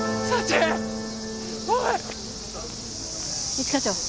一課長。